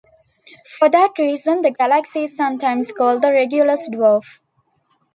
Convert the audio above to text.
For that reason, the galaxy is sometimes called the "Regulus Dwarf".